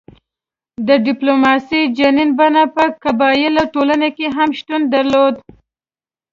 د ډیپلوماسي جنین بڼه په قبایلي ټولنه کې هم شتون درلود